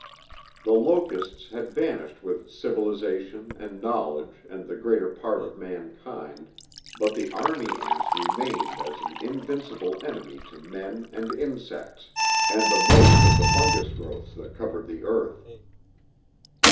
The locusts had vanished with civilization and knowledge and the greater part of mankind, but the army ants remained as an invincible enemy to men and insects, and the most of the fungus growths that covered the earth.